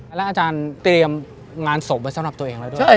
แล้วอาจารย์เตรียมงานศพไว้สำหรับตัวเองแล้วด้วย